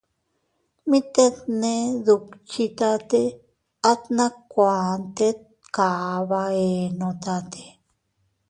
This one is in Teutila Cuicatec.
Mit tet ne dukchitate, at nakuan tet kaba eenotate.